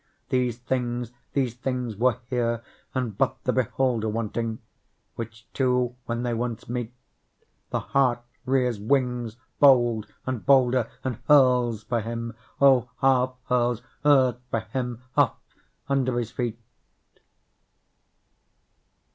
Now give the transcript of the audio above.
These things, these things were here and but the beholder Wanting; which two when they once meet, The heart rears wings bold and bolder And hurls for him, O half hurls earth for him off under his feet.